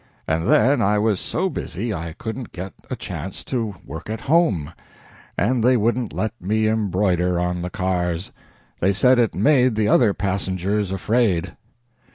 And then I was so busy I couldn't get a chance to work at home, and they wouldn't let me embroider on the cars; they said it made the other passengers afraid.